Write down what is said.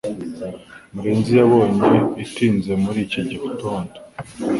murenzi yabonye itinze muri iki gitondo